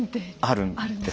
あるんです。